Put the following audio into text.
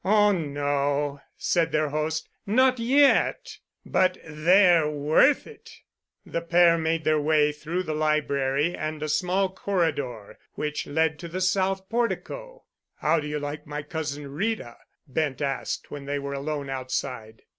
"Oh, no," said their host, "not yet. But they're worth it." The pair made their way through the library and a small corridor which led to the south portico. "How do you like my cousin Rita?" Bent asked when they were alone outside.